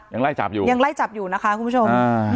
ยังไล่จับอยู่นะคะคุณผู้ชม